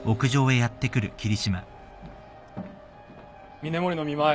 峰森の見舞い